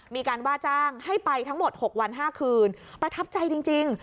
มีการว่าจ้างให้ไปทั้งหมด๖วัน๕คืนประทับใจจริง